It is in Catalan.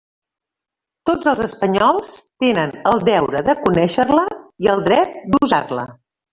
Tots els espanyols tenen el deure de conéixer-la i el dret d'usar-la.